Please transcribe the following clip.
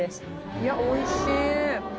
いやおいしい。